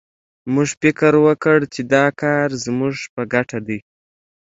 موږ فکر وکړ چې دا کار زموږ په ګټه دی